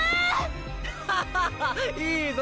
ハハハッいいぞ